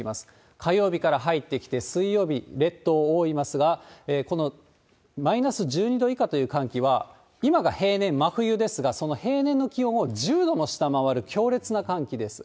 火曜日から入ってきて、水曜日、列島覆いますが、このマイナス１２度以下という寒気は、今が平年、真冬ですが、その平年の気温を１０度も下回る強烈な寒気です。